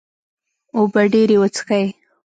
اوبه ډیرې وڅښئ